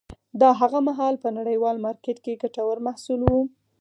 دا هغه مهال په نړیوال مارکېټ کې ګټور محصول و